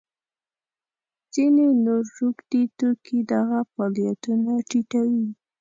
ځینې نور روږدي توکي دغه فعالیتونه ټیټوي.